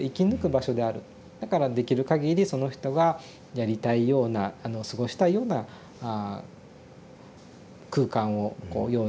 だからできるかぎりその人がやりたいような過ごしたいような空間をこう用意していく。